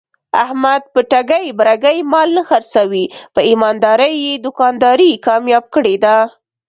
احمد په ټګۍ برگۍ مال نه خرڅوي. په ایماندارۍ یې دوکانداري کامیاب کړې ده.